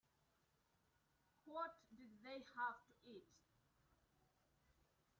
What did they have to eat?